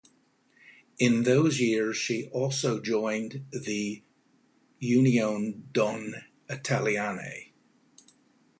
In those years she also joined the Unione donne italiane.